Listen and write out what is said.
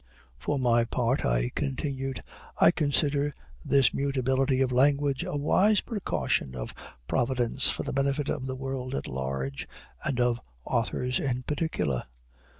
"For my part," I continued, "I consider this mutability of language a wise precaution of Providence for the benefit of the world at large, and of authors in particular.